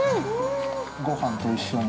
ごはんと一緒に。